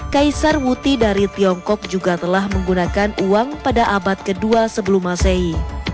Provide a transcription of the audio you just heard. kaisar muti dari tiongkok juga telah menggunakan uang pada abad kedua sebelum masehi